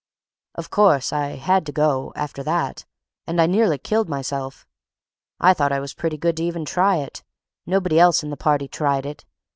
"Of course I had to go, after that—and I nearly killed myself. I thought I was pretty good to even try it. Nobody else in the party tried it.